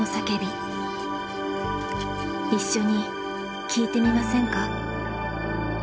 一緒に聞いてみませんか。